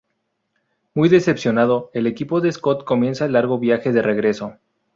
Muy decepcionado, el equipo de Scott comienza el largo viaje de regreso.